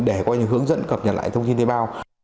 để có những hướng dẫn cập nhật lại thông tin thuê bao